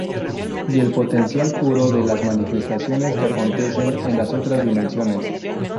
Y el potencial puro de las manifestaciones que acontecen en las otras dimensiones.